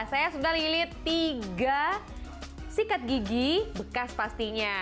saya sudah lilit tiga sikat gigi bekas pastinya